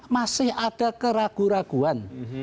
masih ada keraguan keraguan